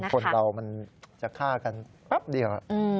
คนเรามันจะฆ่ากันแป๊บเดียว